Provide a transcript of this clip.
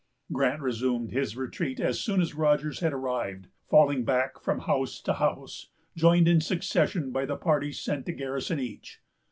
Grant resumed his retreat as soon as Rogers had arrived, falling back from house to house, joined in succession by the parties sent to garrison each.